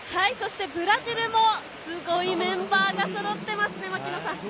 ブラジルもすごいメンバーがそろっていますね。